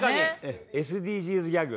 ＳＤＧｓギャグ。